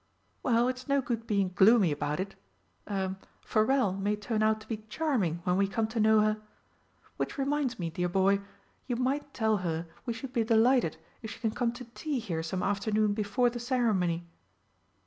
"Well, it's no good being gloomy about it. Er Forelle may turn out to be charming when we come to know her. Which reminds me, dear boy, you might tell her we should be delighted if she can come to tea here some afternoon before the ceremony."